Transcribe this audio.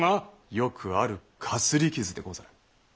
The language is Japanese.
よくあるかすり傷でござる。